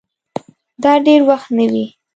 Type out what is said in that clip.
دا دېر وخت نه وې